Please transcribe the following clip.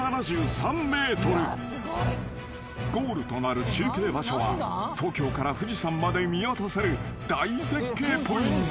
［ゴールとなる中継場所は東京から富士山まで見渡せる大絶景ポイント］